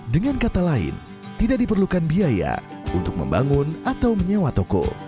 dengan kata lain tidak diperlukan biaya untuk membangun atau menyewa toko